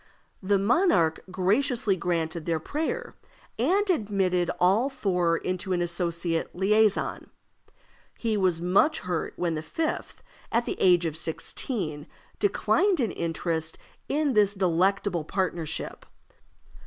The monarch graciously granted their prayer, and admitted all four into an associate liaison. He was much hurt when the fifth, at the age of sixteen, declined an interest in this delectable partnership.